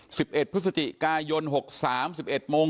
มึงนึกว่าข้ามเขาบ้าง